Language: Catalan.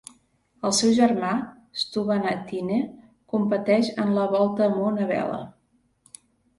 El seu germà, Stu Bannatyne, competeix en la volta a món a vela.